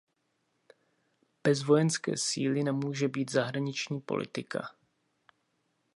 Bez vojenské síly nemůže být zahraniční politika.